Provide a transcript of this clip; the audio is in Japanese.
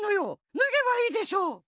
ぬげばいいでしょう。